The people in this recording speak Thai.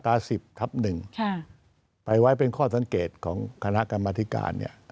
ทับ๑ไปไว้เป็นข้อสังเกตของคณะกรรมธิการ